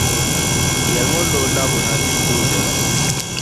Yɛlimi o ni o labina di yi tooi bela.